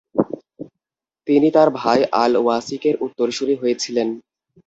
তিনি তার ভাই আল ওয়াসিকের উত্তরসুরি হয়েছিলেন।